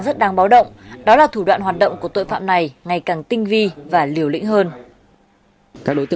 tỉnh yên bái tỉnh yên bái tỉnh yên bái tỉnh yên bái tỉnh yên bái tỉnh yên bái